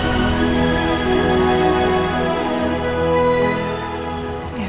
ehhh kayaknya kayakng universitas itu lagi namanya bdr